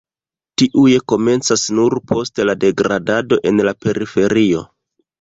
Tiuj komencas nur poste la degradado en la periferio.